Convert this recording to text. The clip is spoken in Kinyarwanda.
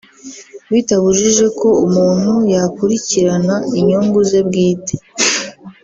bitabujije ko umuntu yakurikirana inyungu ze bwite